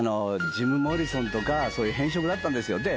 ジム・モリソンとか、そういう偏食だったんですよ。